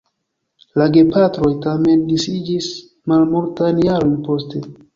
La gepatroj tamen disiĝis malmultajn jarojn poste.